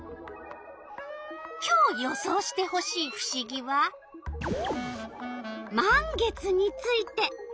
今日予想してほしいふしぎは「満月」について。